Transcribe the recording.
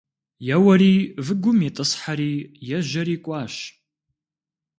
Еуэри выгум итӀысхьэри ежьэри кӀуащ.